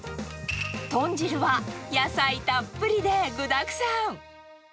豚汁は野菜たっぷりで具だくさん。